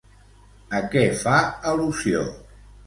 A què fa al·lusió?